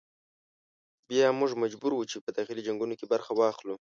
بیا موږ مجبور وو چې په داخلي جنګونو کې برخه واخلو.